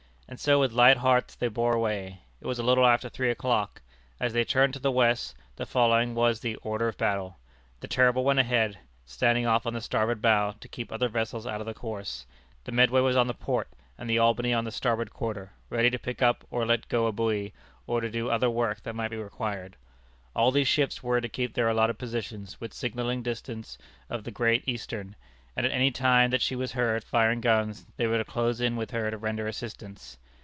And so with light hearts they bore away. It was a little after three o'clock. As they turned to the west, the following was the "order of battle": the Terrible went ahead, standing off on the starboard bow, to keep other vessels out of the course; the Medway was on the port, and the Albany on the starboard quarter, ready to pick up or let go a buoy, or to do other work that might be required. All these ships were to keep their allotted positions, within signalling distance of the Great Eastern, and at any time that she was heard firing guns, they were to close in with her to render assistance.